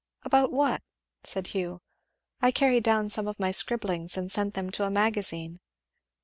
"About what?" said Hugh. "I carried down some of my scribblings and sent them to a Magazine."